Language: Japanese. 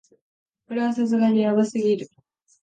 これはさすがにヤバすぎる